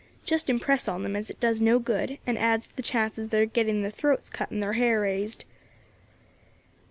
Just impress on them as it does no good, and adds to the chances of their getting their throats cut and their har raised."